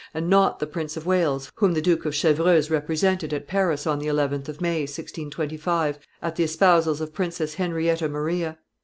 and not the Prince of Wales, whom the Duke of Chevreuse represented at Paris on the 11th of May, 1625, at the espousals of Princess Henrietta Maria.